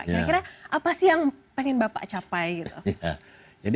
kira kira apa sih yang pengen bapak capai gitu